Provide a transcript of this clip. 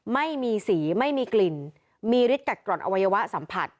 ไม่มีสีไม่มีกลิ่นมีฤทธิกัดกร่อนอวัยวะสัมผัส